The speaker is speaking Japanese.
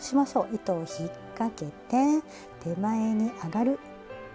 糸をひっかけて手前に上がる。